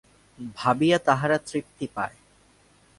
ভাবিয়া তাহারা তৃপ্তি পায়।